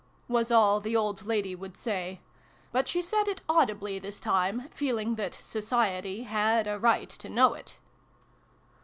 " was all the old lady would say : but she said it audibly, this time, feeling that Society had a right to know it.